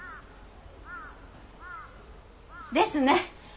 ですね。